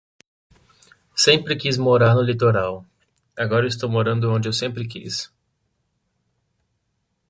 Sempre quis morar no litoral. Agora estou morando onde eu sempre quis